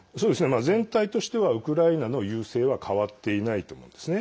全体としてはウクライナの優勢は変わっていないと思うんですね。